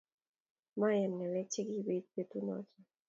Mayan ngalek che kibit betunoto